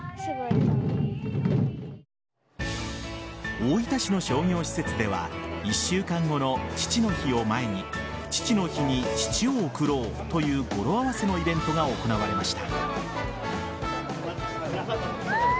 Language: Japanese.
大分市の商業施設では１週間後の父の日を前に父の日に牛乳を贈ろうという語呂合わせのイベントが行われました。